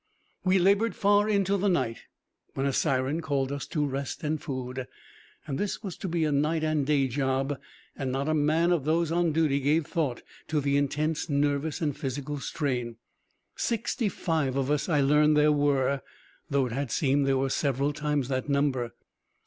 We labored far into the night, when a siren called us to rest and food. This was to be a night and day job, and not a man of those on duty gave thought to the intense nervous and physical strain. Sixty five of us I learned there were, though it had seemed there were several times that number.